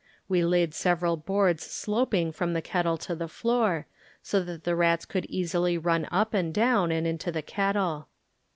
We laid several boards sloping from the kettle to the floor, so that the rats could easily run up and down and into the kettle.